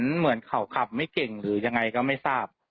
เหมือนเขาขับไม่เก่งหรือยังไงก็ไม่ทราบ